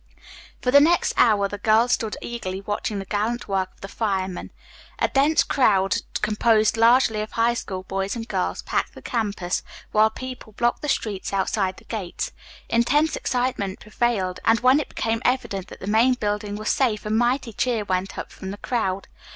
For the next hour the girls stood eagerly watching the gallant work of the firemen. A dense crowd, composed largely of High School boys and girls, packed the campus, while people blocked the streets outside the gates. Intense excitement prevailed, and when it became evident that the main building was safe a mighty cheer went up from the crowd.